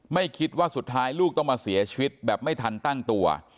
ไม่คิดว่าสุดท้ายลูกต้องมาเสียชีวิตแบบไม่ทันตั้งตัว